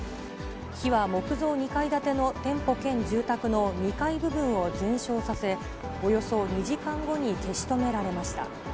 火は木造２階建ての店舗兼住宅の２階部分を全焼させ、およそ２時間後に消し止められました。